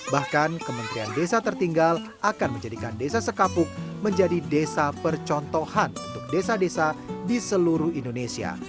bahkan kementerian desa tertinggal akan menjadikan desa sekapuk menjadi desa percontohan untuk desa desa di seluruh indonesia